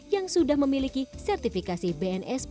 yang sudah memiliki sertifikasi bnsp